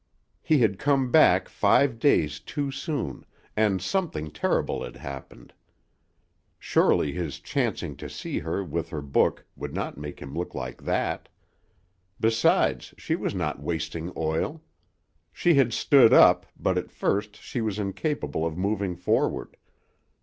He had come back five days too soon and something terrible had happened. Surely his chancing to see her with her book would not make him look like that. Besides, she was not wasting oil. She had stood up, but at first she was incapable of moving forward.